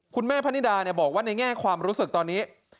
คุณแม่พนิดาบอกว่าในแง่ความรู้สึกตอนนี้